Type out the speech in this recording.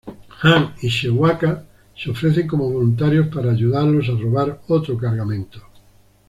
Han y Chewbacca se ofrecen como voluntarios para ayudarlo a robar otro cargamento.